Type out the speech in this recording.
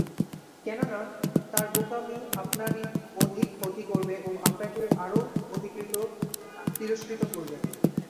কেননা, তার বোকামি আপনারই অধিক ক্ষতি করবে ও আপনাকে আরও অধিক তিরস্কৃত করবে।